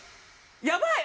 やばい！